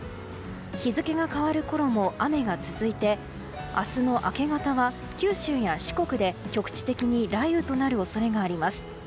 日付が変わるころも雨が続いて明日の明け方は九州や四国で局地的に雷雨となる恐れがあります。